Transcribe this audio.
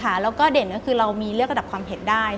เท่านั้นค่ะแล้วก็เด่นก็คือเรามีเลือกระดับความเผ็ดได้๐๕